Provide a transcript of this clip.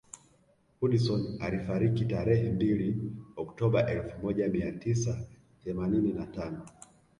Hudson alifariki tarehe mbili Oktoba elfu moja mia tisa themanini na tano